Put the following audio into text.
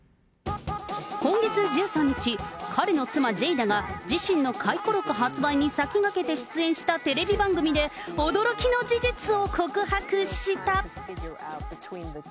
今月１３日、彼の妻、ジェイダが、自身の回顧録出版に先駆けて行われたテレビ番組で、驚きの事実を告白した。